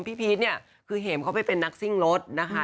พีชเนี่ยคือเห็มเขาไปเป็นนักซิ่งรถนะคะ